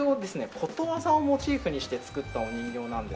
ことわざをモチーフにして作ったお人形なんですけど。